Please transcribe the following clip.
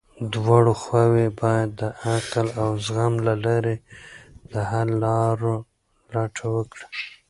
دواړه خواوې بايد د عقل او زغم له لارې د حل لارو لټه وکړي.